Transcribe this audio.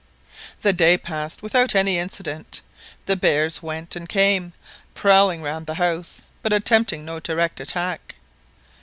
The day passed without any incident. The bears went and came, prowling round the house, but attempting no direct attack.